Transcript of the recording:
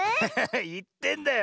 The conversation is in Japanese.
いってんだよ。